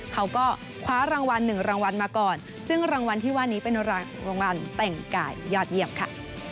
เขาก็คว้ารางวัล๑รางวัลมาก่อนซึ่งรางวัลที่ว่านี้เป็นรางวัลแต่งกายยอดเยี่ยมค่ะ